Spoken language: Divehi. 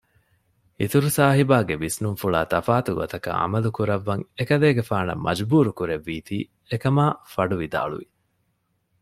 އިތުރުސާހިބާގެ ވިސްނުންފުޅާ ތަފާތު ގޮތަކަށް ޢަމަލުކުރައްވަން އެކަލޭގެފާނަށް މަޖްބޫރު ކުރެއްވީތީ އެކަމާ ފަޑުވިދާޅުވި